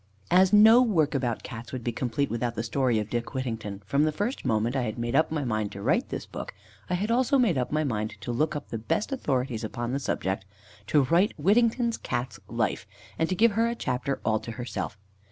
_ As no work about Cats could be complete without the story of Dick Whittington, from the first moment I had made up my mind to write this book, I had also made up my mind to look up the best authorities upon the subject to write Whittington's Cat's life, and to give her a chapter all to herself.